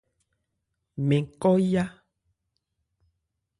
Mɛn kɔ́ yá.